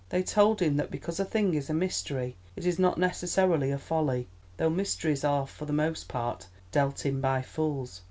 They told him that because a thing is a mystery it is not necessarily a folly, though mysteries are for the most part dealt in by fools.